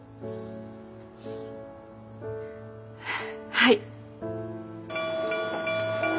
はい。